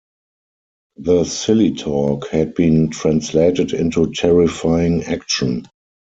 The "silly talk" had been translated into terrifying action.